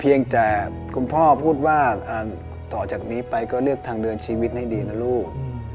เพียงแต่คุณพ่อพูดว่าต่อจากนี้ไปก็เลือกทางเดินชีวิตให้ดีนะลูก